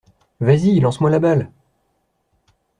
Vas-y! Lance-moi la balle !